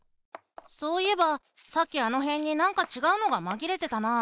そういえばさっきあのへんになんかちがうのがまぎれてたな。